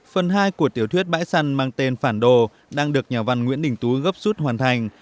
phần hai của tiểu thuyết bãi săn mang tên phản đồ đang được nhà văn nguyễn đình tú gấp rút hoàn thành